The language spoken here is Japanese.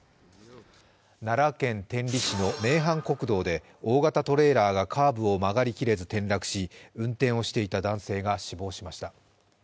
奈良県天理市の名阪国道で大型トレーラーがカーブを曲がりきれず転落し、運転をしていた男性が死亡しました。